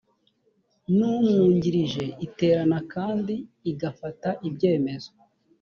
n umwungirije iterana kandi igafata ibyemezo